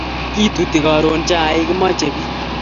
Kituti karun chaik kimache pik